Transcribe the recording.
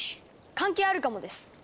関係あるかもです！